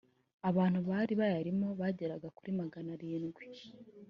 abantu bari bayarimo bageraga kuri magana arindwi